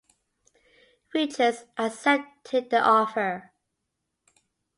Richards accepted the offer.